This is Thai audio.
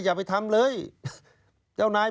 อย่าไปทำเลยเจ้านาย